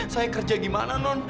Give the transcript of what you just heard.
saya kerja gimana non